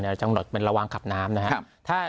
กำหนดเป็นระวังขับน้ำนะครับ